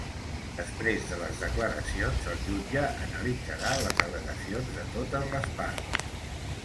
Després de les declaracions, el jutge analitzarà les al·legacions de totes les parts.